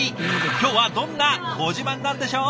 今日はどんなご自慢なんでしょう？